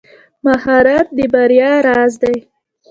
مهارت د بریا راز دی.